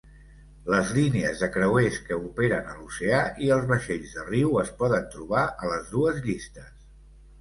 Les línies de creuers que operen a l'oceà i els vaixells de riu es poden trobar a les dues llistes.